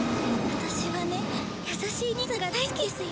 私はね優しい兄さんが大好きですよ。